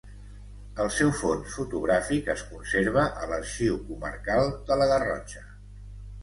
El seu fons fotogràfic es conserva a l'Arxiu Comarcal de la Garrotxa.